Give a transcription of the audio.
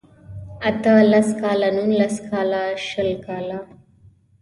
اته لس کاله نولس کاله شل کاله